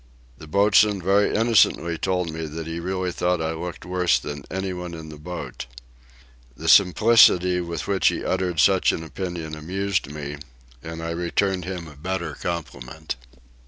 The boatswain very innocently told me that he really thought I looked worse than anyone in the boat. The simplicity with which he uttered such an opinion amused me and I returned him a better compliment.